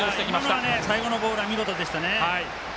今の最後のボールは見事でしたね。